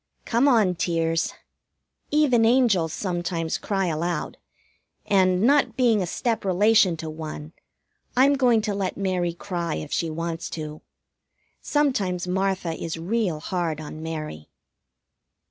Come on, tears! Even angels sometimes cry aloud; and, not being a step relation to one, I'm going to let Mary cry if she wants to. Sometimes Martha is real hard on Mary.